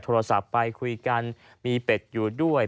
โทรศัพท์ไปคุยกันมีเป็ดอยู่ด้วย